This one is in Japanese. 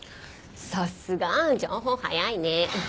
さすが！情報早いね。